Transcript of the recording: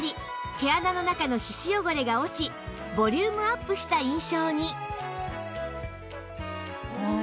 毛穴の中の皮脂汚れが落ちボリュームアップした印象に